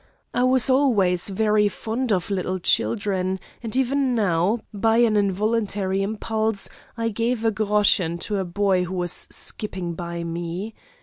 I was always very fond of little children, and even now, by an involuntary impulse, I gave a groschen to a boy who was skipping by me.